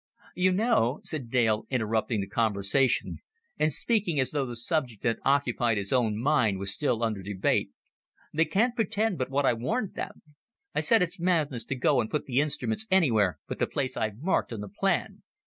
"You know," said Dale, interrupting the conversation, and speaking as though the subject that occupied his own mind was still under debate, "they can't pretend but what I warned them. I said it's madness to go and put the instruments anywhere but the place I've marked on the plan.